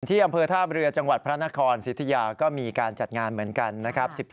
ที่อำเภอท่าเรือจังหวัดพระนครสิทธิยาก็มีการจัดงานเหมือนกันนะครับ